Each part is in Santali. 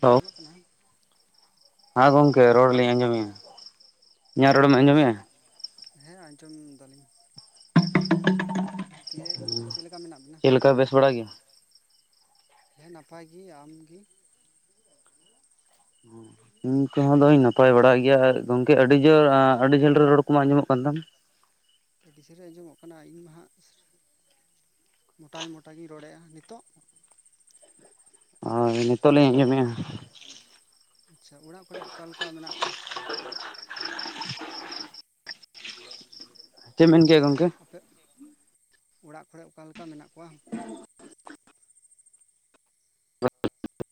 ᱦᱮᱞᱳ ᱠᱟᱱᱟ᱾ ᱦᱮᱸ ᱜᱚᱝᱠᱮ ᱨᱚᱲᱞᱤᱧ ᱟᱸᱡᱚᱢᱮᱜᱼᱟ᱾ ᱤᱧᱟᱹᱜ ᱨᱚᱲᱮᱢ ᱟᱸᱡᱚᱢᱮᱜᱼᱟ ᱦᱮᱸ ᱟᱸᱡᱚᱢ ᱫᱟᱞᱤᱧ᱾ ᱫᱤᱭᱮ ᱪᱮᱫ ᱞᱮᱠᱟ ᱢᱮᱱᱟᱜ ᱵᱤᱱᱟ? ᱪᱮᱫ ᱞᱮᱠᱟ ᱵᱮᱥ ᱵᱟᱲᱟ ᱜᱮ? ᱦᱮᱸ ᱱᱟᱯᱟᱭ ᱜᱤ, ᱟᱢᱜᱤ? [unintelligible] ᱤᱧ ᱠᱚᱦᱚᱸ ᱫᱚᱧ ᱱᱟᱯᱟᱭ ᱵᱟᱲᱟ ᱜᱮᱭᱟ ᱜᱚᱝᱠᱮ ᱟᱹᱰᱤ ᱡᱳᱨ ᱟᱹᱰᱤ ᱡᱷᱟᱹᱞ ᱨᱮ ᱨᱚᱲ ᱠᱚᱢᱟ ᱟᱸᱡᱚᱢᱚᱜ ᱠᱟᱱ ᱛᱟᱢ? ᱟᱹᱰᱤ ᱡᱷᱟᱹᱞ ᱨᱮ ᱟᱸᱡᱚᱢᱚᱜ ᱠᱟᱱᱟ ᱤᱧᱢᱟ ᱦᱟᱸᱜ ᱢᱚᱴᱟ ᱢᱚᱴᱟᱤᱧ ᱨᱚᱲᱮᱫ-ᱟ ᱱᱤᱛᱚᱜ? ᱦᱳᱭ ᱱᱤᱛᱚᱜ ᱞᱤᱧ ᱟᱸᱡᱚᱢᱮᱜ-ᱟ᱾ ᱟᱪᱪᱷᱟ ᱚᱲᱟᱜ ᱠᱚᱨᱮ ᱚᱠᱟ ᱞᱮᱠᱟ ᱢᱮᱱᱟᱜ ᱠᱚᱣᱟ? ᱪᱮᱫᱢ ᱢᱮᱱ ᱠᱮᱜ-ᱟ ᱜᱚᱢᱠᱮ? ᱟᱯᱮ ᱚᱲᱟᱜ ᱠᱚᱨᱮ ᱚᱠᱟ ᱞᱮᱠᱟ ᱢᱮᱱᱟᱜ ᱠᱚᱣᱟ? [unintelligible] [unintelligible]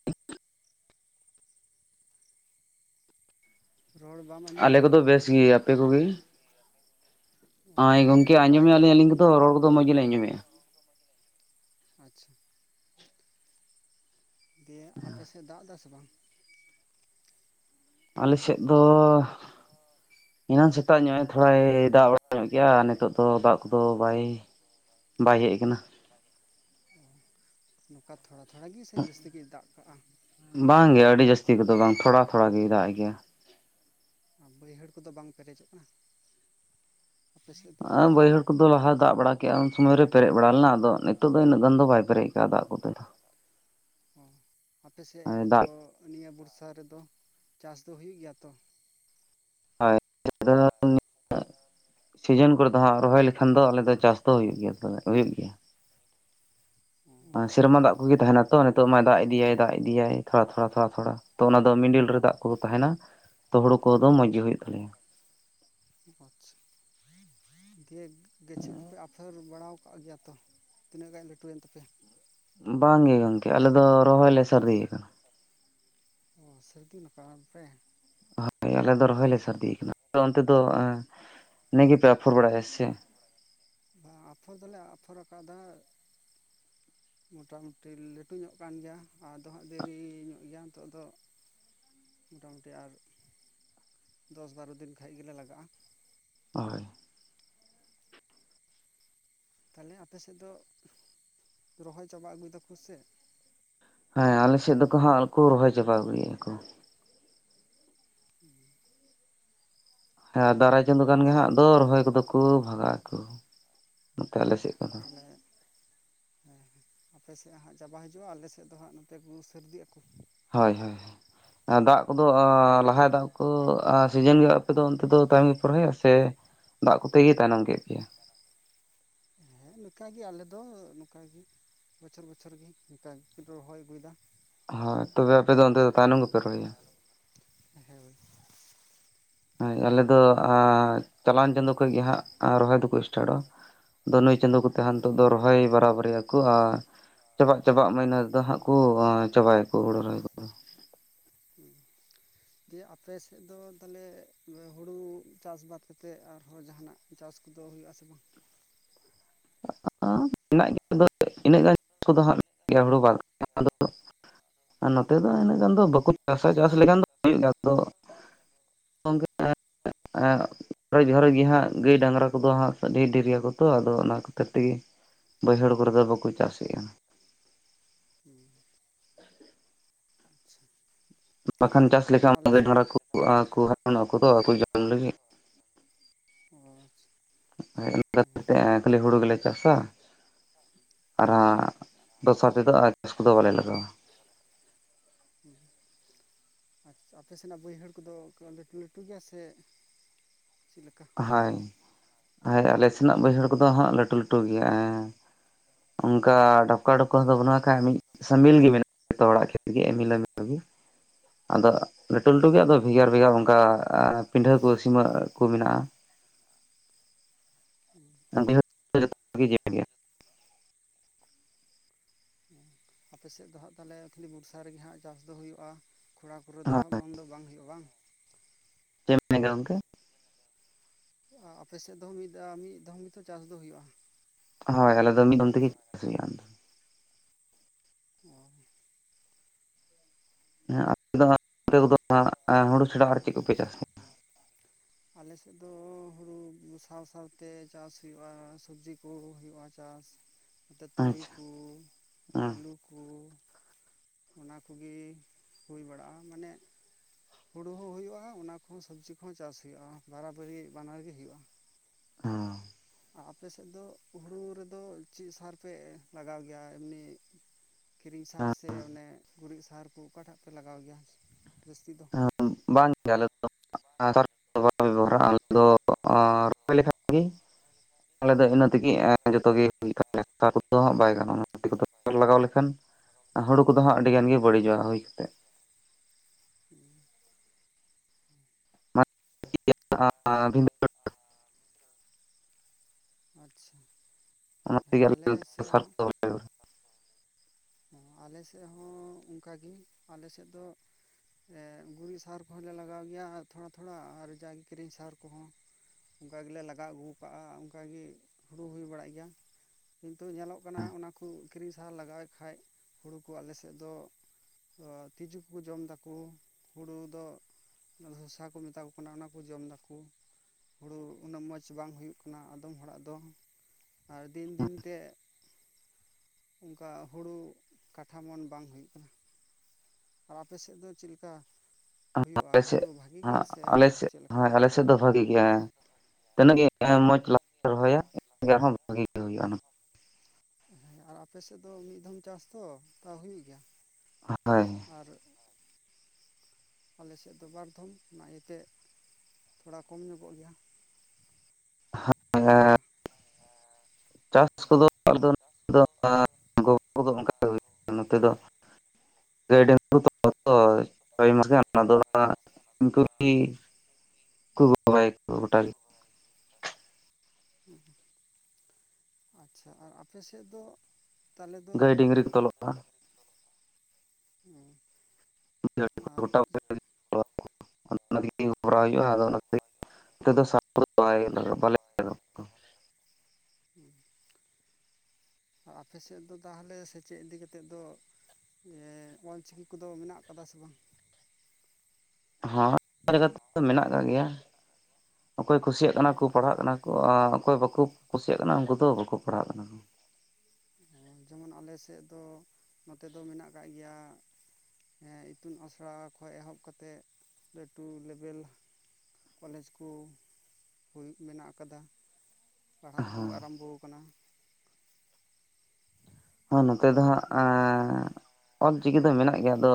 ᱨᱚᱲ ᱵᱟᱢ ᱟᱸᱡᱚᱢ ᱟᱞᱮ ᱮᱫᱟ ᱠᱚᱫᱚ ᱵᱮᱥᱜᱤ ᱟᱯᱮ ᱠᱚᱜᱮ ᱚ ᱦᱳᱭ ᱦᱮᱸ ᱜᱚᱢᱠᱮ ᱱᱟᱯᱟᱭ ᱟᱸᱡᱚᱢᱮ ᱜᱮ ᱟᱞᱤᱧ ᱞᱤᱧ ᱠᱚᱫᱚ ᱨᱚᱲ ᱠᱚᱫᱚ ᱢᱚᱡᱽ ᱜᱮᱞᱤᱧ ᱟᱸᱡᱚᱢᱮ-ᱟ᱾ ᱟᱪᱪᱷᱟ᱾ ᱫᱤᱭᱮ ᱟᱯᱮ ᱥᱮᱫ ᱫᱟᱜ ᱫᱟ ᱥᱮ ᱵᱟᱝ? ᱟᱞᱮ ᱥᱮᱫ ᱫᱚ ᱮᱱᱟᱝ ᱥᱮᱛᱟᱜ ᱧᱚᱜ ᱮ ᱛᱷᱚᱲᱟᱭ ᱫᱟᱜ ᱵᱟᱲᱟ ᱧᱚᱜ ᱜᱮᱭᱟ ᱱᱤᱛᱚᱜ ᱫᱚ ᱫᱟᱜ ᱠᱚᱫᱚ ᱵᱟᱭ ᱵᱟᱭ ᱦᱮᱡ ᱠᱟᱱᱟ ᱾ ᱱᱚᱝᱠᱟ ᱛᱷᱚᱲᱟ ᱛᱷᱚᱲᱟ ᱜᱤ ᱥᱮ ᱡᱟᱹᱥᱛᱤ ᱜᱮᱭ ᱫᱟᱜ ᱠᱟᱜ-ᱟ᱾ ᱵᱟᱝ ᱜᱮ ᱟᱹᱰᱤ ᱡᱟᱹᱥᱛᱤ ᱠᱚᱫᱚ ᱵᱟᱝ ᱛᱷᱚᱲᱟ ᱛᱷᱚᱲᱟ ᱜᱮᱭ ᱫᱟᱜᱮᱜ ᱜᱮᱭᱟ᱾ ᱟᱨ ᱵᱟᱹᱭᱦᱟᱹᱲ ᱠᱚᱫᱚ ᱵᱟᱝ ᱯᱮᱨᱮᱡᱚᱜ ᱠᱟᱱᱟ? ᱟᱯᱮ ᱥᱮᱫ ᱫᱚ [unintelligible] ᱵᱟᱹᱭᱦᱟᱹᱲ ᱠᱚᱫᱚ ᱞᱟᱦᱟᱭ ᱫᱟᱜ ᱵᱟᱲᱟ ᱠᱮᱜ-ᱟ ᱩᱱ ᱥᱚᱢᱚᱭ ᱨᱮ ᱯᱮᱨᱮᱡ ᱵᱟᱲᱟ ᱞᱮᱱᱟ ᱟᱫᱚ ᱱᱤᱛᱚᱜ ᱫᱚ ᱤᱱᱟᱹᱜ ᱜᱟᱱ ᱫᱚ ᱵᱟᱭ ᱯᱮᱨᱮᱡ ᱠᱟᱜ-ᱟ ᱫᱟᱜ ᱠᱚᱛᱮ ᱫᱚ᱾ ᱚ ᱟᱯᱮ ᱥᱮᱫ ᱫᱚ ᱫᱟᱜ ᱱᱤᱭᱟᱹ ᱵᱚᱨᱥᱟ ᱨᱮᱫᱚ ᱪᱟᱥ ᱫᱚ ᱦᱩᱭᱩᱜ ᱜᱮᱭᱟ ᱛᱚ ᱾ [unintelligible] ᱥᱤᱡᱤᱱ ᱠᱚᱨᱮ ᱫᱚ ᱦᱟᱸᱜ ᱨᱚᱦᱚᱭ ᱞᱮᱠᱷᱟᱱ ᱫᱚ ᱟᱞᱮ ᱫᱚ ᱪᱟᱥ ᱫᱚ ᱦᱩᱭᱩᱜ ᱜᱮᱭᱟ ᱦᱩᱭᱩᱜ ᱜᱮᱭᱟ᱾ ᱚ ᱥᱮᱨᱢᱟ ᱫᱟᱜ ᱠᱚᱜᱮ ᱛᱟᱦᱮᱱᱟ ᱛᱚ ᱱᱤᱛᱚᱜ ᱢᱟᱭ ᱫᱟᱜ ᱤᱫᱤᱭᱟᱭ ᱫᱟᱜ ᱤᱫᱤᱭᱟᱭ ᱛᱷᱚᱲᱟ ᱛᱷᱚᱲᱟ ᱛᱷᱚᱲᱟ ᱛᱷᱚᱲᱟ᱾ ᱛᱚ ᱚᱱᱟᱫᱚ ᱢᱤᱰᱤᱞ ᱨᱮ ᱫᱟᱜ ᱠᱚᱫᱚ ᱛᱟᱦᱮᱱᱟ ᱛᱚ ᱦᱩᱲᱳ ᱠᱚᱫᱚ ᱢᱚᱸᱡᱽ ᱜᱮ ᱦᱩᱭᱩᱜ ᱛᱟᱞᱮᱭᱟ ᱾ [unintelligible] ᱫᱤᱭᱮ ᱜᱟᱹᱪᱷᱤ ᱠᱚᱯᱮ ᱟᱯᱷᱮᱨ ᱵᱟᱲᱟᱣ ᱠᱟᱜ ᱜᱮᱭᱟ ᱛᱚ ᱛᱤᱱᱟᱹᱜ ᱜᱟᱱ ᱞᱟᱹᱴᱩᱭᱮᱱ ᱛᱟᱯᱮᱭᱟ? ᱵᱟᱝᱜᱮ ᱜᱚᱝᱠᱮ ᱟᱞᱮ ᱫᱚ ᱨᱚᱦᱚᱭ ᱞᱮ ᱥᱟᱨᱫᱤ ᱟᱠᱟᱱᱟ᱾ ᱚᱻ ᱥᱟᱹᱨᱫᱤᱱ ᱟᱠᱟᱱ ᱯᱮ ᱾ ᱦᱳᱭ ᱟᱞᱮ ᱫᱚ ᱨᱚᱦᱚᱭ ᱞᱮ ᱥᱟᱨᱫᱤᱭ ᱟᱠᱟᱱᱟ ᱟᱯᱮ ᱚᱱᱛᱮ ᱫᱚ ᱱᱮᱜ ᱮ ᱜᱮᱯᱮ ᱟᱯᱷᱚᱨ ᱵᱟᱲᱟᱭᱟ ᱥᱮ ᱪᱮᱫ? ᱵᱟᱝ ᱟᱯᱷᱚᱨ ᱫᱚᱞᱮ ᱟᱯᱷᱚᱨ ᱟᱠᱟᱫᱟ ᱾ ᱢᱚᱴᱟᱢᱩᱴᱤ ᱞᱟᱹᱴᱩ ᱧᱚᱜ ᱠᱟᱱ ᱜᱮᱭᱟ ᱟᱫᱚ ᱦᱟᱸᱜ ᱫᱮᱨᱤ ᱧᱚᱜ ᱜᱮᱭᱟ ᱱᱤᱛᱚᱜ ᱫᱚ ᱾ ᱢᱚᱴᱟᱢᱩᱴᱤ ᱟᱨ ᱫᱚᱥ ᱵᱟᱨᱚ ᱫᱤᱱ ᱠᱷᱟᱡ ᱜᱮᱞᱮ ᱞᱟᱜᱟᱜ-ᱟ᱾ ᱦᱳᱭ ᱾ ᱛᱟᱦᱚᱞᱮ ᱟᱯᱮ ᱥᱮᱫ ᱫᱚ ᱨᱚᱦᱚᱭ ᱪᱟᱵᱟ ᱟᱹᱜᱩᱭ ᱫᱟᱠᱚ ᱥᱮ? ᱦᱮᱸ ᱟᱞᱮ ᱥᱮᱫ ᱫᱚᱠᱚ ᱦᱟᱸᱜ ᱠᱚ ᱨᱚᱦᱚᱭ ᱪᱟᱵᱟ ᱟᱹᱜᱩᱭᱮᱟ ᱠᱚ ᱾ [unintelligible] ᱦᱮᱸ ᱫᱟᱨᱟᱭ ᱪᱟᱸᱫᱳ ᱜᱟᱱ ᱜᱮ ᱦᱟᱸᱜ ᱫᱚ ᱨᱚᱦᱚᱭ ᱠᱚᱫᱚ ᱠᱚ ᱵᱷᱟᱜᱟᱜ ᱟᱠᱚ᱾ ᱱᱚᱛᱮ ᱚ ᱟᱞᱮ ᱥᱮᱫ ᱠᱚᱫᱚ ᱛᱟᱦᱚᱞᱮ ᱦᱮᱸᱮ ᱟᱯᱮ ᱥᱮᱫ ᱦᱟᱸᱜ ᱪᱟᱵᱟ ᱦᱤᱡᱩᱜ-ᱟ ᱟᱞᱮ ᱥᱮᱫ ᱫᱚ ᱦᱟᱸᱜ ᱱᱚᱛᱮ [unintelligible] ᱥᱟᱨᱫᱤ ᱟᱠᱚ ᱦᱳᱭ ᱦᱳᱭ ᱾ ᱫᱟᱜ ᱠᱚᱫᱚ ᱞᱟᱦᱟ ᱫᱟᱜ ᱠᱚ ᱥᱤᱡᱮᱱ ᱜᱮ ᱟᱯᱮ ᱫᱚ ᱚᱱᱛᱮ ᱫᱚ ᱛᱟᱭᱚᱢ ᱜᱮ ᱯᱮ ᱨᱚᱦᱚᱭᱟ ᱥᱮ ᱫᱟᱜ ᱠᱚᱛᱮ ᱜᱮ ᱛᱟᱭᱱᱚᱢ ᱠᱮᱫ ᱯᱮᱭᱟ? ᱦᱮᱸ ᱱᱤᱝᱠᱟᱜᱮ ᱟᱞᱮ ᱫᱚ ᱱᱚᱝᱠᱟᱜᱮ ᱾ ᱵᱚᱪᱷᱚᱨ ᱵᱚᱪᱷᱚᱨ ᱜᱮ ᱱᱤᱝᱠᱟ ᱜᱮ ᱨᱚᱦᱚᱭ ᱟᱹᱜᱩᱭ ᱫᱟ ᱾ ᱦᱚᱸ ᱛᱚᱵᱮ ᱟᱯᱮ ᱫᱚ ᱚᱱᱛᱮ ᱫᱚ ᱛᱟᱭᱱᱚᱢ ᱜᱮ ᱯᱮ ᱨᱚᱦᱭᱟ, ᱦᱳᱭ, ᱟᱞᱮ ᱫᱚ ᱪᱟᱞᱟᱣᱮᱱ ᱪᱟᱸᱫᱳ ᱠᱷᱚᱱ ᱜᱮ ᱦᱟᱸᱜ ᱨᱚᱦᱚᱭ ᱫᱚ ᱠᱚ ᱥᱴᱟᱴᱼᱟ, ᱫᱚ ᱱᱩᱭ ᱪᱟᱸᱫᱳ ᱠᱚᱛᱮ ᱦᱟᱸᱜ ᱱᱤᱛᱳᱜ ᱫᱚ ᱨᱚᱦᱚᱭ ᱵᱟᱨᱟᱵᱟᱹᱨᱤ ᱟᱠᱚ ᱟ ᱪᱟᱵᱟᱜ ᱪᱟᱵᱟᱜ ᱢᱟᱹᱭᱱᱟᱹ ᱨᱮᱫᱚ ᱦᱟᱸᱜ ᱠᱚ ᱪᱟᱵᱟᱭ ᱟᱠᱚ, [unintelligible] ᱫᱤᱭᱮ ᱟᱯᱮ ᱥᱮᱫ ᱫᱚ ᱛᱟᱦᱚᱞᱮ ᱦᱩᱲᱩ ᱪᱟᱥ ᱵᱟᱫᱽ ᱠᱟᱛᱮᱫ ᱟᱨ ᱦᱚᱸ ᱡᱟᱦᱟᱱᱟᱜ ᱪᱟᱥ ᱠᱚ ᱫᱚ ᱦᱩᱭᱩᱜ ᱟᱥᱮ ᱵᱟᱝ? [inaudible] ᱟᱨ ᱱᱚᱛᱮ ᱫᱚ ᱤᱱᱟᱹᱜ ᱜᱟᱱ ᱫᱚ ᱵᱟᱠᱚ ᱪᱟ ᱥᱟ ᱪᱟᱥ ᱞᱮᱠᱷᱟᱱ ᱦᱳᱭᱳᱜ ᱜᱮᱭᱟ, ᱟᱫᱚ [inaudible] [unintelligible] ᱜᱮ ᱦᱟᱸᱜ ᱜᱟᱹᱭ ᱰᱟᱝᱨᱟ ᱠᱚ ᱫᱚ ᱦᱟᱸᱜ ᱰᱷᱮᱨ ᱜᱮᱭᱟ ᱠᱚ ᱛᱚ ᱟᱫᱚ ᱚᱱᱟ, ᱵᱟᱹᱭᱦᱟᱹᱲ ᱠᱚᱨᱮ ᱫᱚ ᱵᱟᱠᱚ ᱪᱟᱥ ᱮᱼᱟ, [unintelligible] [unintelligible] ᱵᱟᱠᱷᱟᱱ ᱪᱟᱥ ᱡᱮᱢᱚᱱ ᱞᱮᱠᱷᱟᱱ [inaudible] ᱟᱞᱮ ᱥᱮᱫ ᱡᱚᱢ ᱞᱟᱹᱜᱤᱫ ᱚᱻ ᱟᱪᱷᱟ, [inaudible] ᱠᱷᱟᱹᱞᱤ ᱦᱳᱲᱳ ᱜᱮᱞᱮ ᱪᱟᱥᱟ᱾ ᱟᱨ ᱦᱮᱸ ᱦᱟᱸᱜ ᱫᱚᱥᱟᱨ ᱛᱮ ᱫᱚ ᱟᱨ ᱪᱟᱥ ᱠᱚ ᱫᱚ ᱵᱟᱞᱮ ᱞᱟᱜᱟᱣᱟ᱾ ᱦᱩᱸ, ᱟᱪᱷᱟ ᱟᱯᱮ ᱥᱮᱱᱟᱜ ᱵᱟᱹᱭᱦᱟᱹᱲ ᱠᱚ ᱫᱚ ᱠᱟ ᱞᱟᱹᱴᱩ ᱞᱟᱹᱴᱩ ᱜᱮᱭᱟ ᱥᱮ ᱪᱮᱫ ᱞᱮᱠᱟ? ᱦᱳᱭ ᱦᱚᱭ ᱟᱞᱮ ᱥᱮᱱᱟᱜ ᱵᱟᱹᱭᱦᱟᱹᱲ ᱠᱚ ᱫᱚ ᱦᱟᱸᱜ ᱞᱟᱹᱴᱩ ᱞᱟᱹᱴᱩ ᱜᱮᱭᱟ ᱮᱸ᱾ ᱚᱱᱠᱟ ᱰᱷᱟᱯᱠᱟ ᱰᱷᱚᱯᱠᱚ ᱠᱚᱸ ᱫᱚ ᱵᱟᱹᱱᱩᱜ-ᱟ, ᱠᱷᱟᱡ ᱢᱤᱫᱼᱼ [inaudible] ᱟᱫᱚ ᱞᱟᱹᱴᱩ ᱞᱟᱹᱴᱩ ᱜᱮ ᱟᱫᱚ ᱵᱷᱮᱜᱟᱨ ᱵᱷᱮᱜᱟᱨ ᱚᱝᱠᱟ ᱯᱤᱱᱰᱷᱦᱟᱹ ᱠᱩ ᱥᱤᱢᱟᱹ ᱠᱩ ᱢᱮᱱᱟᱜ-ᱟ ᱾ [inaudible] ᱟᱯᱮ ᱥᱮᱜ ᱫᱚ ᱦᱟᱸᱜ ᱛᱟᱦᱚᱞᱮ ᱠᱷᱟᱹᱞᱤ ᱵᱩᱨᱥᱟ ᱨᱮ ᱜᱮ ᱦᱟᱸᱜ ᱪᱟᱥ ᱫᱚ ᱦᱩᱭᱩᱜ-ᱟ᱾ ᱠᱷᱚᱲᱟ ᱠᱚᱨᱮ ᱫᱚ ᱦᱟᱸᱜ ᱵᱟᱝ ᱫᱚ ᱵᱟᱝ ᱦᱳᱭᱳᱜ-ᱟ ᱵᱟᱝ᱾ [inaudible] ᱜᱚᱢᱠᱮ? ᱟ ᱟᱯᱮ ᱥᱮᱜ ᱫᱚ ᱢᱤᱫ ᱫᱷᱟᱣ ᱢᱤᱫ ᱫᱷᱚᱢ ᱜᱮ ᱛᱚ ᱪᱟᱥ ᱫᱚ ᱦᱩᱭᱩᱜ-ᱟ ᱾ ᱦᱳᱭ ᱟᱞᱮ ᱫᱚ ᱢᱤᱫ [inaudible] ᱛᱮᱜᱮ ᱪᱟᱥ ᱦᱩᱭᱩᱜ-ᱟ ᱱᱚᱛᱮ᱾ ᱚᱻ, [inaudible] ᱦᱩᱲᱩ ᱪᱷᱟᱰᱟ ᱟᱨ ᱪᱮᱫ ᱠᱚᱯᱮ ᱪᱟᱥᱟ? ᱟᱞᱮ ᱥᱮᱜ ᱫᱚ ᱦᱩᱲᱩ ᱥᱟᱶ ᱥᱟᱶᱛᱮ ᱪᱟᱥ ᱦᱩᱭᱩᱜ-ᱟ, ᱥᱚᱵᱽᱡᱤ ᱠᱩ ᱦᱩᱭᱩᱜ-ᱟ ᱪᱟᱥ᱾ ᱱᱚᱛᱮ ᱛᱩᱲᱤ ᱟᱪᱪᱷᱟ ᱠᱩ, ᱦᱮᱸ ᱟᱹᱞᱩ ᱠᱩ, ᱚᱱᱟ ᱠᱩᱜᱤ ᱦᱩᱭ ᱵᱟᱲᱟᱜ-ᱟ, ᱢᱟᱱᱮ ᱦᱩᱲᱩ ᱦᱚᱸ ᱦᱩᱭᱩᱜ-ᱟ ᱚᱱᱟ ᱠᱚ ᱦᱚᱸ ᱥᱚᱵᱽᱡᱤ ᱠᱚ ᱦᱚᱸ ᱪᱟᱥ ᱦᱩᱭᱩᱜ-ᱟ, ᱵᱟᱨᱟᱼᱵᱟᱹᱨᱤ ᱵᱟᱱᱟᱨ ᱜᱮ ᱦᱩᱭᱩᱜ-ᱟ᱾ ᱚᱸᱻ, ᱟᱸᱻ ᱟᱯᱮ ᱥᱮᱜ ᱫᱚ ᱦᱩᱲᱩ ᱨᱮ ᱫᱚ ᱪᱮᱜ ᱥᱟᱦᱟᱨ ᱯᱮ ᱞᱟᱜᱟᱣ ᱜᱮᱭᱟ ᱮᱢᱱᱤ? ᱠᱤᱨᱤᱧ ᱥᱟᱦᱟᱨ ᱥᱮ ᱚᱱᱮ ᱜᱩᱨᱤᱡᱽ ᱥᱟᱦᱟᱨ ᱠᱩ ᱴᱟᱜ ᱯᱮ ᱞᱟᱜᱟᱣ ᱜᱮᱭᱟ ᱡᱟᱹᱥᱛᱤ ᱫᱚ? [inaudible] [inaudible] ᱵᱷᱟᱜᱮ ᱟᱞᱮ ᱫᱚ ᱤᱱᱟᱹ ᱛᱮᱜᱮ ᱮᱸ ᱡᱚᱛᱚ ᱜᱮ [inaudible] ᱞᱟᱜᱟᱣ ᱞᱮᱠᱷᱟᱱᱼᱼ ᱟ ᱦᱩᱲᱩ ᱠᱚ ᱫᱚ ᱦᱟᱸᱜ ᱟᱹᱰᱤ ᱜᱟᱱ ᱜᱮ ᱵᱟᱹᱲᱤᱡᱚᱜ-ᱟ ᱦᱩᱭ ᱠᱟᱛᱮᱜ ᱾ [unintelligible] ᱢᱟᱛ [inaudible] ᱟᱪᱪᱷᱟ ᱦᱮᱸ ᱟᱞᱮ ᱥᱮᱜ ᱥᱟᱨ ᱦᱚᱸ ᱠᱚᱫᱚ ᱵᱟᱞᱮ ᱟᱸᱻᱟᱞᱮ ᱥᱮᱜ ᱦᱚᱸ ᱚᱱᱠᱟ ᱜᱮ ᱟᱞᱮ ᱥᱮᱜ ᱫᱚ ᱮ ᱜᱩᱨᱤᱡ ᱥᱟᱦᱟᱨ ᱠᱚᱦᱚᱸ ᱞᱮ ᱞᱟᱜᱟᱣ ᱜᱮᱭᱟ ᱛᱷᱚᱲᱟ ᱛᱷᱚᱲᱟ ᱟᱨ ᱡᱟᱜᱮ ᱠᱤᱨᱤᱧ ᱥᱟᱦᱟᱨ ᱠᱩᱦᱚᱸ ᱚᱝᱠᱟ ᱜᱮᱞᱮ ᱞᱟᱜᱟᱣ ᱟᱹᱜᱩᱣ ᱠᱟᱜᱼᱟ ᱚᱱᱠᱟ ᱜᱮ ᱦᱩᱲᱩ ᱦᱩᱭ ᱵᱟᱲᱟᱜ ᱜᱮᱭᱟ᱾ ᱠᱤᱱᱛᱩ ᱧᱮᱞᱚᱜ ᱠᱟᱱᱟ ᱚᱱᱟ ᱠᱩ ᱠᱤᱨᱤᱧ ᱥᱟᱦᱟᱨ ᱞᱟᱜᱟᱣᱮᱜ ᱠᱷᱟᱡ ᱦᱩᱲᱩ ᱠᱚ ᱟᱞᱮ ᱥᱮᱜ ᱫᱚ ᱫᱚ ᱛᱤᱡᱩ ᱠᱚᱠᱚ ᱡᱚᱢ ᱫᱟᱠᱚ ᱦᱩᱲᱩ ᱫᱚ ᱚᱱᱟ ᱫᱷᱚᱥᱟ ᱠᱚ ᱢᱮᱛᱟ ᱠᱚ ᱠᱟᱱᱟ ᱚᱱᱟ ᱠᱩ ᱡᱚᱢ ᱫᱟᱠᱩ᱾ ᱦᱩᱲᱩ ᱩᱱᱟᱹᱜ ᱢᱚᱡᱽ ᱵᱟᱝ ᱦᱩᱭᱩᱜ ᱠᱟᱱᱟ ᱟᱫᱚᱢ ᱦᱚᱲᱟᱜ ᱫᱚ᱾ ᱟᱨ ᱫᱤᱱ ᱫᱤᱱ ᱛᱮ ᱩᱝᱠᱟ ᱦᱩᱲᱩ ᱠᱟᱴᱷᱟ ᱢᱚᱱ ᱵᱟᱝ ᱦᱩᱭᱩᱜ ᱠᱟᱱᱟ, ᱟᱨ ᱟᱯᱮ ᱥᱮᱜ ᱫᱚ ᱪᱤᱜ ᱞᱮᱠᱟ? ᱦᱩᱭᱩᱜᱼᱟ ᱟᱞᱮ ᱦᱩᱲᱩ ᱵᱷᱟᱜᱤ ᱜᱮ ᱥᱮ ᱪᱮᱜ ᱞᱮᱠᱟ? ᱥᱮᱜ ᱫᱚ ᱵᱷᱟᱜᱤ ᱜᱮ ᱦᱮᱸ, ᱛᱤᱱᱟᱹᱜ ᱜᱮ ᱢᱚᱸᱡᱽ ᱞᱮ ᱨᱚᱦᱚᱭᱟ ᱤᱱᱟᱹᱜ ᱟᱨ ᱦᱚᱸ ᱵᱷᱟᱜᱤ ᱜᱮ ᱦᱩᱭᱩᱜ-ᱟ ᱚᱱᱟ᱾ ᱦᱮᱸ ᱟᱨ ᱟᱯᱮ ᱥᱮᱜ ᱫᱚ ᱢᱤᱫ ᱫᱷᱚᱢ ᱪᱟᱥ ᱛᱚ ᱛᱟᱣ ᱦᱩᱭᱩᱜ ᱜᱮᱭᱟ᱾ ᱟ ᱦᱳᱭ᱾ ᱟᱨ ᱟᱞᱮ ᱥᱮᱜ ᱫᱚ ᱵᱟᱨ ᱫᱷᱚᱢ ᱚᱱᱟ ᱤᱭᱟᱹ ᱛᱮ᱾ ᱛᱷᱚᱲᱟ ᱠᱚᱢ ᱧᱚᱜᱚᱜ ᱜᱮᱭᱟ ᱱᱟᱝᱠᱟ᱾ ᱪᱟᱥ ᱠᱚᱫᱚ ᱟᱫᱚ [inaudible] ᱱᱚᱛᱮ ᱫᱚ᱾ ᱜᱟᱹᱭ ᱰᱟᱹᱝᱨᱤ ᱦᱚᱸ [inaudible] ᱩᱱᱠᱩ ᱜᱤ ᱠᱩ, ᱨᱚᱦᱚᱭᱟᱹᱠᱩ ᱜᱚᱴᱟ ᱜᱮ᱾ ᱦᱩᱸ ᱦᱩᱸ ᱟᱪᱪᱷᱟ ᱟᱨ ᱟᱯᱮ‌ ᱥᱮᱜ ᱫᱚ? ᱛᱟᱦᱞᱮ ᱫᱚ ᱜᱟᱹᱭ ᱰᱟᱹᱝᱨᱤ ᱠᱚ ᱛᱚᱞᱚᱜᱼᱟ ᱟᱨ [inaudible] [unintelligible] ᱚᱱᱟ [inaudible] ᱠᱚᱨᱟᱣ ᱦᱩᱭᱩᱜᱼᱟ, ᱟᱫᱚ ᱚᱱᱟᱛᱮ [inaudible] ᱵᱟᱞᱮ ᱦᱚᱸ ᱦᱩᱸ ᱟᱨ ᱟᱯᱮ ᱥᱮᱫ ᱫᱚ ᱛᱟᱦᱟᱞᱮ ᱥᱮᱪᱮᱫ ᱤᱫᱤ ᱠᱟᱛᱮᱫ ᱫᱚ ᱤᱭᱮᱸ ᱚᱞ ᱪᱤᱠᱤ ᱠᱚᱫᱚ ᱢᱮᱱᱟᱜ ᱠᱟᱫᱟ ᱥᱮ ᱵᱟᱝ? ᱦᱚᱸ [unintelligible] ᱞᱮᱠᱟᱛᱮ ᱫᱚ ᱢᱮᱱᱟᱜ ᱠᱟᱜ ᱜᱮᱭᱟ᱾ ᱚᱠᱚᱭ ᱠᱩᱥᱤᱭᱟᱜ ᱠᱟᱱᱟ ᱠᱚ, ᱯᱟᱲᱦᱟᱜ ᱠᱟᱱᱟ ᱠᱚ ᱟᱨ ᱚᱠᱚᱭ ᱵᱟᱠᱚ ᱠᱩᱥᱤᱭᱟᱜ ᱠᱟᱱᱟ ᱩᱱᱠᱩ ᱫᱚ ᱵᱟᱠᱚ ᱯᱟᱲᱦᱟᱜ ᱠᱟᱱᱟ ᱾ ᱡᱮᱢᱚᱱ ᱟᱞᱮ ᱥᱮᱜ ᱫᱚ, ᱱᱚᱛᱮ ᱫᱚ ᱢᱮᱱᱟᱜ ᱠᱟᱜ ᱜᱮᱭᱟ ᱦᱮᱸ ᱤᱛᱩᱱ ᱟᱥᱲᱟ ᱠᱷᱚᱱ ᱮᱦᱚᱵ ᱠᱟᱛᱮᱫ ᱞᱟᱹᱴᱩ ᱞᱮᱵᱮᱞ ᱠᱚᱞᱮᱡᱽ ᱠᱩ ᱦᱳᱭ ᱢᱮᱱᱟᱜ ᱠᱟᱫᱟ, ᱯᱟᱲᱦᱟᱜ ᱠᱩ ᱦᱮᱸ ᱟᱨᱟᱢᱵᱚ ᱠᱟᱱᱟ᱾ ᱦᱮᱸ ᱱᱚᱛᱮ ᱫᱚ ᱦᱟᱸᱜ ᱚᱞᱪᱤᱠᱤ ᱫᱚ ᱢᱮᱱᱟᱜ ᱜᱮᱭᱟ ᱟᱫᱚ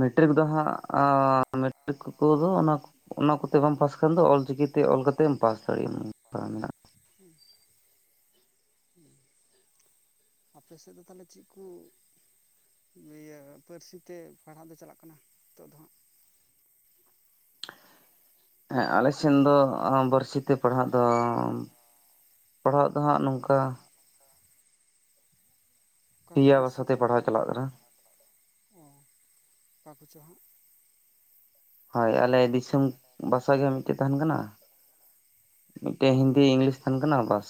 ᱢᱮᱴᱨᱤᱠ ᱫᱚ ᱦᱟᱸᱜ ᱢᱮᱴᱨᱤᱠ ᱠᱚᱫᱚ ᱚᱱᱟ ᱚᱱᱟ ᱠᱚᱛᱮ ᱵᱟᱢ ᱯᱟᱥ ᱠᱷᱟᱱ ᱫᱚ ᱚᱞᱪᱤᱠᱤᱛᱮ ᱚᱞ ᱠᱟᱛᱮᱫ ᱮᱢ ᱯᱟᱥ ᱫᱟᱲᱮᱭᱟᱜᱼᱟ᱾ ᱦᱩᱸ ᱦᱩᱸ, ᱟᱯᱮ ᱥᱮᱫ ᱫᱚ ᱛᱟᱦᱞᱮ ᱪᱮᱜ ᱠᱩ ᱤᱭᱟᱹ ᱯᱟᱹᱨᱥᱤᱛᱮ ᱯᱟᱲᱦᱟᱜ ᱫᱚ ᱪᱟᱞᱟᱜ ᱠᱟᱱᱟ, ᱱᱤᱛᱚᱜ ᱫᱚ ᱦᱟᱸᱜ᱾ ᱦᱮᱸ ᱟᱞᱮ ᱥᱮᱱ ᱫᱚ [unintelligible] ᱛᱮ ᱯᱟᱲᱦᱟᱜ ᱫᱚ ᱯᱟᱲᱦᱟᱜ ᱫᱚ ᱦᱟᱸᱜ ᱱᱚᱝᱠᱟ ᱚᱠᱟ ᱠᱚ ᱯᱮᱭᱟ ᱯᱟᱹᱨᱥᱤ ᱵᱷᱟᱥᱟᱛᱮ ᱪᱟᱞᱟᱜ ᱯᱟᱲᱦᱟᱣ ᱠᱟᱱᱟ? ᱚ ᱚᱠᱟ ᱠᱚᱪᱚ ᱦᱟᱸᱜ ᱦᱳᱭ, ᱟᱞᱮ ᱫᱤᱥᱚᱢ ᱵᱷᱟᱥᱟ ᱜᱮ ᱢᱤᱫᱴᱮᱡ ᱛᱟᱦᱮᱱ ᱠᱟᱱᱟ᱾ ᱢᱤᱫᱴᱮᱱ ᱦᱤᱱᱫᱤ ᱤᱝᱞᱤᱥ ᱛᱟᱦᱮᱱ ᱠᱟᱱᱟ, ᱵᱟᱥ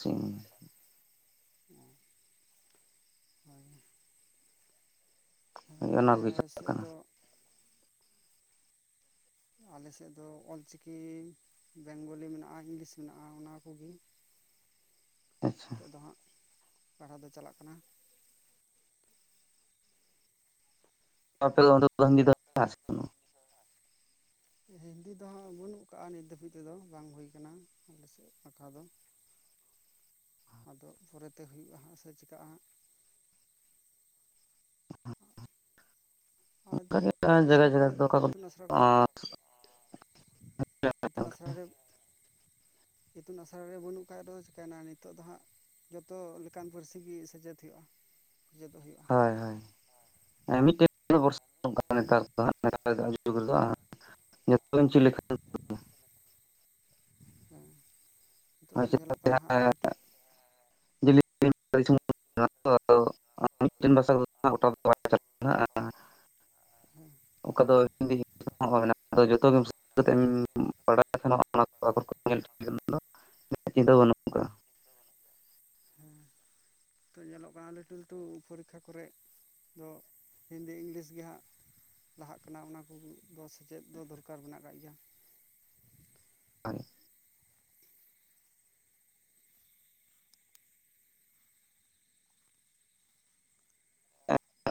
ᱚᱸ [unintelligible] ᱦᱮᱸ, ᱚᱱᱟ ᱠᱚᱜᱮ ᱟᱞᱮ ᱪᱟᱞᱟᱜ ᱥᱮᱫ ᱠᱟᱱᱟ ᱫᱚ ᱟᱞᱮ ᱥᱮᱫ ᱫᱚ ᱚᱞᱪᱤᱠᱤ ᱵᱮᱝᱜᱚᱞᱤ ᱢᱮᱱᱟᱜ-ᱟ ᱤᱝᱞᱤᱥ ᱢᱮᱱᱟᱜ-ᱟ ᱚᱱᱟᱠᱩᱜᱤ ᱟᱪᱪᱷᱟ ᱾ ᱱᱤᱛᱳᱜ ᱫᱚ ᱦᱟᱸᱜ, ᱯᱟᱲᱦᱟᱣ ᱫᱚ ᱪᱟᱞᱟᱜ ᱠᱟᱱᱟ ᱾ [unintelligible] ᱦᱤᱱᱫᱤ ᱫᱚ ᱦᱟᱸᱜ ᱵᱟᱹᱱᱩᱜ ᱠᱟᱜᱼᱟ ᱱᱤᱛ ᱫᱷᱟᱹᱵᱤᱡ ᱛᱮᱫᱚ ᱵᱟᱝ ᱦᱩᱭ ᱠᱟᱱᱟ ᱟᱞᱮ ᱥᱮᱫ ᱯᱷᱟᱠᱟ ᱫᱚ ᱾ ᱟᱫᱚ ᱯᱚᱨᱮᱛᱮ ᱦᱩᱭᱩᱜ-ᱟ ᱦᱟᱸᱜ ᱥᱮ ᱪᱮᱠᱟᱜ-ᱟ ᱦᱟᱸᱜ᱾ ᱟᱫᱚ ᱡᱟᱭᱜᱟ ᱤᱥᱠᱩᱞ ᱡᱟᱭᱜᱟ ᱠᱚᱨᱮᱜ ᱫᱚ ᱚᱠᱟ ᱠᱚᱫᱚ ᱤᱛᱩᱱ ᱟᱥᱲᱟ ᱠᱚᱨᱮᱜ ᱤᱛᱩᱱ ᱟᱥᱲᱟ ᱨᱮ ᱤᱛᱩᱱ ᱟᱥᱲᱟ ᱨᱮ ᱵᱟᱹᱱᱩᱜ ᱠᱷᱟᱡ ᱨᱮᱦᱚᱸ ᱪᱤᱠᱟᱹᱭᱱᱟ ᱱᱤᱛᱚᱜ ᱫᱚ ᱦᱟᱸᱜ ᱡᱚᱛᱚ ᱞᱮᱠᱟᱱ ᱯᱟᱹᱨᱥᱤ ᱜᱮ ᱥᱮᱪᱮᱫ ᱦᱳᱭᱳᱜ-ᱟ, ᱥᱮᱪᱮᱫᱚᱜ ᱦᱳᱭᱳᱜ-ᱟ᱾ ᱦᱳᱭ ᱦᱳᱭ [unintelligible] [unintelligible] ᱦᱮᱸ, ᱱᱤᱛᱳᱜ ᱫᱚ ᱧᱮᱞᱚᱜ ᱠᱟᱱᱟ ᱦᱟᱸᱜ ᱞᱟᱹᱴᱩ [unintelligible] [unintelligible] [unintelligible] [unintelligible] [unintelligible] [unintelligible] [unintelligible] ᱪᱤᱱᱛᱟᱹ ᱵᱟᱹᱱᱩᱜ ᱟᱠᱟᱫᱟ ᱦᱮᱸ, ᱱᱤᱛᱚᱜ ᱛᱚ ᱧᱮᱞᱚᱜ ᱠᱟᱱᱟ ᱞᱟᱹᱴᱩ ᱞᱟᱹᱴᱩ ᱯᱚᱨᱤᱠᱠᱷᱟ ᱠᱚᱨᱮᱜ ᱫᱚ ᱦᱤᱱᱫᱤ ᱤᱝᱞᱤᱥ ᱜᱮ ᱦᱟᱸᱜ ᱞᱟᱦᱟᱜ ᱠᱟᱱᱟ, ᱚᱱᱟ ᱠᱚᱫᱚ ᱥᱮᱪᱮᱫ ᱫᱚ ᱫᱚᱨᱠᱟᱨ ᱢᱮᱱᱟᱜ ᱟᱠᱟᱫ ᱜᱮᱭᱟ ᱾ [unintelligible]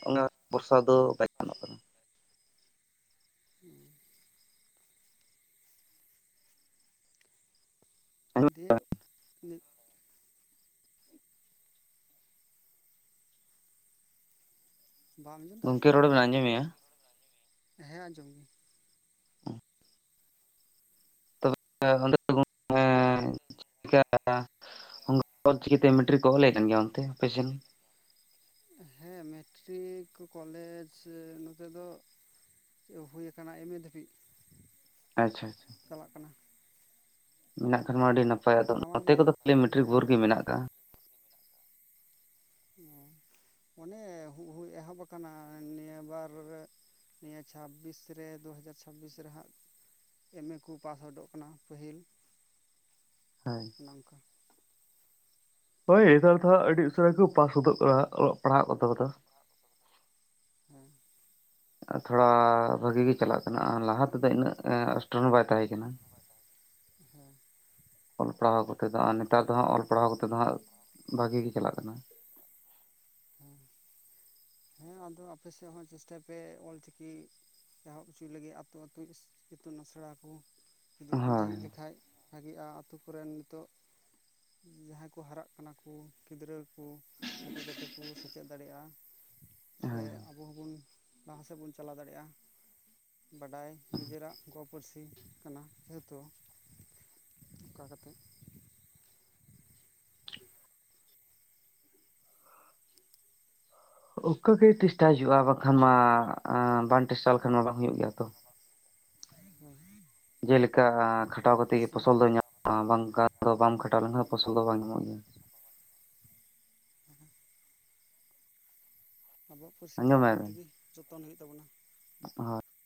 ᱚᱱᱟ ᱵᱚᱨᱥᱟ ᱫᱚ ᱵᱟᱭ ᱜᱟᱱᱚᱜ ᱠᱟᱱᱟ ᱾ [unintelligible] ᱠᱟᱱᱟ ᱫᱤᱭᱮ [unintelligible] ᱵᱟᱢ ᱟᱸᱡᱚᱢᱫᱟ? ᱜᱚᱢᱠᱮ ᱨᱚᱲ ᱵᱮᱱ ᱟᱸᱡᱚᱢ ᱢᱮ-ᱟ? ᱦᱮᱸ ᱟᱸᱡᱚᱢ ᱜᱮ ᱾ [unintelligible] ᱪᱤᱠᱤᱛᱮ ᱢᱮᱴᱨᱤ ᱠᱚ ᱚᱞᱮ ᱠᱟᱱ ᱜᱮᱭᱟ ᱚᱱᱛᱮ ᱟᱯᱮ ᱥᱮᱱ? ᱦᱮᱸ ᱢᱮᱴᱨᱤᱠ ᱠᱚᱞᱮᱡ ᱱᱚᱛᱮ ᱫᱚ ᱦᱩᱭ ᱟᱠᱟᱱᱟ ᱮᱢ ᱮ ᱫᱷᱟᱹᱵᱤᱡ ᱾ ᱟᱪᱪᱷᱟ ᱾ ᱪᱟᱞᱟᱜ ᱠᱟᱱᱟ ᱾ ᱢᱮᱱᱟᱜ ᱠᱷᱟᱱ ᱢᱟ ᱟᱹᱰᱤ ᱱᱟᱯᱟᱭ ᱟᱫᱚ ᱱᱟᱣᱟ ᱱᱚᱛᱮ ᱜᱮ ᱠᱚᱫᱚ ᱠᱷᱟᱹᱞᱤ ᱢᱮᱴᱨᱤᱠ ᱵᱷᱳᱨ ᱦᱮᱸ ᱜᱮ ᱢᱮᱱᱟᱜ ᱟᱠᱟᱫᱟ ᱾ ᱚ ᱟᱱᱮ ᱦᱩᱭ ᱮᱦᱚᱵ ᱟᱠᱟᱱᱟ ᱱᱤᱭᱟᱹ ᱵᱟᱨ ᱱᱤᱭᱟᱹ ᱪᱷᱟᱵᱽᱵᱤᱥ ᱨᱮ ᱫᱩᱦᱟᱡᱟᱨ ᱪᱷᱟᱵᱵᱤᱥ ᱨᱮ ᱦᱟᱸᱜ ᱮᱢ ᱮ ᱠᱚ ᱯᱟᱥ ᱚᱰᱳᱠᱚ ᱠᱟᱱᱟ ᱯᱟᱹᱦᱤᱞ᱾ [unintelligible] ᱱᱚᱝᱠᱟ ᱦᱳᱭ ᱱᱮᱛᱟᱨ ᱫᱚ ᱟᱹᱰᱤ ᱩᱥᱟᱹᱨᱟ ᱠᱚ ᱯᱟᱥ ᱜᱫᱚᱜ ᱠᱟᱱᱟ ᱚᱞᱚᱜ ᱯᱟᱲᱦᱟᱜ ᱠᱚᱛᱚ ᱫᱚ ᱾ ᱦᱮᱸ ᱾ ᱛᱷᱚᱲᱟ ᱵᱷᱟᱜᱤ ᱜᱮ ᱪᱟᱞᱟᱜ ᱠᱟᱱᱟ ᱟᱨ ᱞᱟᱦᱟ ᱛᱮᱫᱚ ᱤᱱᱟᱹᱜ [unintelligible] ᱵᱟᱭ ᱛᱟᱦᱮᱸ ᱠᱟᱱᱟ ᱾ ᱦᱮᱸ ᱚᱞ ᱯᱟᱲᱦᱟᱣ ᱠᱚ ᱠᱚᱛᱮ ᱫᱚ, ᱟᱨ ᱱᱮᱛᱟᱨ ᱫᱚ ᱦᱟᱸᱜ ᱚᱞ ᱯᱟᱲᱦᱟᱣ ᱠᱟᱛᱮ ᱫᱚ ᱦᱟᱸᱜ ᱵᱷᱟᱜᱤ ᱜᱮ ᱪᱟᱞᱟᱜ ᱠᱟᱱᱟ ᱾ ᱦᱩᱸ, ᱦᱮᱸ ᱟᱫᱚ ᱟᱯᱮᱥᱮᱫ ᱦᱚᱸ ᱪᱮᱥᱴᱟᱭ ᱯᱮ ᱚᱞᱪᱤᱠᱤ ᱮᱦᱚᱵ ᱦᱚᱪᱚᱭ ᱞᱟᱹᱜᱤᱫ ᱟᱹᱛᱩ ᱟᱹᱛᱩ ᱤᱛᱩᱱ ᱟᱥᱲᱟ ᱠᱚ ᱡᱩᱫᱤ ᱠᱚ ᱦᱳᱭ ᱡᱷᱤᱡ ᱞᱮᱠᱷᱟᱡ ᱵᱷᱟᱜᱤᱮᱜᱼᱟ, ᱟᱛᱳ ᱠᱚᱨᱮᱱ ᱱᱤᱛᱚᱜ ᱡᱟᱦᱟᱸᱭ ᱠᱚ ᱦᱟᱨᱟᱜ ᱠᱟᱱᱟ ᱠᱚ ᱜᱤᱫᱽᱨᱟᱹ ᱠᱚ ᱩᱱᱠᱩ ᱡᱟᱛᱮ ᱠᱚ ᱥᱮᱪᱮᱫ ᱫᱟᱲᱮᱜᱼᱟ ᱾ ᱥᱮ ᱦᱳᱭ ᱟᱵᱚ ᱦᱚᱸᱵᱚᱱ ᱞᱟᱦᱟ ᱥᱮᱫ ᱵᱚᱱ ᱪᱟᱞᱟᱣ ᱫᱟᱲᱮᱜᱼᱟ ᱾ ᱵᱟᱰᱟᱭ ᱱᱤᱡᱮᱨᱟᱜ ᱜᱚ ᱯᱟᱹᱨᱥᱤ ᱠᱟᱱᱟ ᱾ ᱡᱮᱦᱮᱛᱩ ᱚᱱᱠᱟ ᱠᱟᱛᱮᱜ ᱚᱱᱠᱟ ᱜᱮ ᱪᱮᱥᱴᱟᱣ ᱦᱩᱭᱩᱜᱼᱟ ᱵᱟᱝᱠᱷᱟᱱ ᱢᱟ ᱵᱟᱝ ᱴᱮᱥᱴᱟ ᱞᱮᱠᱷᱟᱱ ᱢᱟ ᱵᱟᱝ ᱦᱩᱭᱩᱜ ᱜᱮᱭᱟ ᱛᱚ ᱾ ᱦᱮᱸ [inaudible] ᱡᱮᱞᱮᱠᱟ ᱠᱷᱟᱴᱟᱣ ᱠᱟᱛᱮ ᱜᱮ ᱯᱷᱚᱥᱚᱞ ᱫᱚ ᱧᱟᱢᱚᱜᱼᱟ ᱵᱟᱝᱠᱷᱟᱱ ᱫᱚ ᱵᱟᱢ ᱠᱷᱟᱴᱟᱣ ᱞᱮᱱᱠᱷᱟᱱ ᱫᱚ ᱯᱷᱚᱥᱚᱞ ᱫᱚ ᱵᱟᱝ ᱧᱟᱢᱚᱜ ᱜᱮᱭᱟ ᱾ ᱥᱚᱵ ᱦᱚ [unintelligible] ᱟᱵᱩᱣᱟᱜ ᱯᱟᱹᱨᱥᱤ ᱫᱚ ᱟᱸᱡᱚᱢᱮ ᱟᱵᱚ ᱛᱮᱜᱤ ᱡᱚᱛᱚᱱ ᱦᱩᱭᱩᱜ ᱛᱟᱵᱚᱱᱟ ᱾ ᱦᱳᱭ ᱾